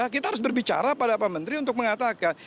kita harus berbicara pada pak menteri untuk mengatakan